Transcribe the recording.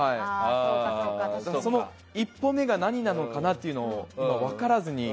その一歩目が何なのかなというのが分からず。